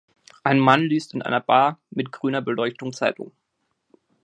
Ein Mann liest in einer Bar mit grüner Beleuchtung Zeitung.